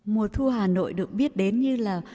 mùa thu hà nội được biết đến như là